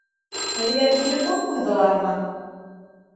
Һеҙгә телефон ҡуйҙылармы?